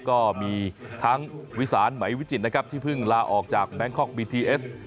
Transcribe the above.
ก็มีทั้งวิสานไหมวิจิตรนะครับที่เพิ่งลาออกจากแบงคอกบีทีเอส